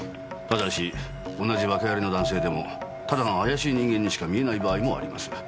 ただし同じワケありの男性でもただの怪しい人間にしか見えない場合もあります。